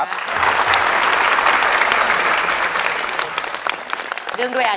ขอบคุณครับ